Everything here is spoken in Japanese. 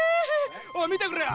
おい見てくれよ！